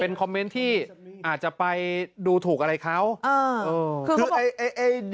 เป็นคอมเมนต์ที่อาจจะไปดูถูกอะไรเขาอ่า